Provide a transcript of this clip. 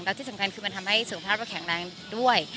แล้วที่สำคัญคือมันทำให้สุขภาพก็แข็งแรงด้วย